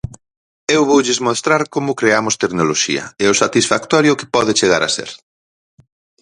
Eu voulles mostrar como creamos tecnoloxía e o satisfactorio que pode chegar a ser.